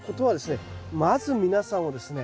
まず皆さんをですね